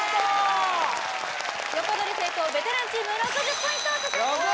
横取り成功ベテランチーム６０ポイントを差し上げます